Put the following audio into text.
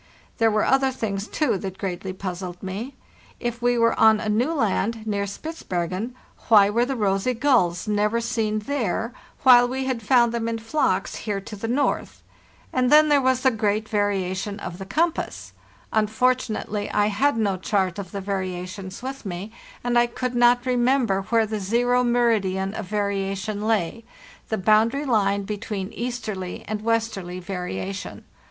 There were other things, too, that greatly puzzled me. If we were on a new land, near Spitzbergen, why were the rosy gulls never seen there, while we had found them in flocks here to the north? And then there was the great 400 FARTHEST NORTH variation of the compass. Unfortunately, | had no chart of the variations with me, and I could not remember where the zero meridian of variation lay—the boundary line between easterly and westerly variation.